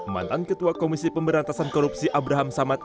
mantan ketua komisi pemberantasan korupsi abraham samad